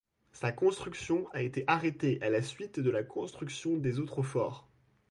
Sa construction a été arrêtée à la suite de la construction des autres forts.